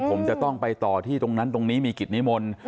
ผมจะต้องไปต่อที่ตรงนั้นตรงนี้มีกิจนิมนต์